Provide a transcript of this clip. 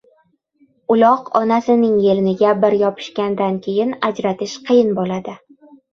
Uloq onasining yeliniga bir yopishgandan keyin ajratish qiyin bo‘ladi.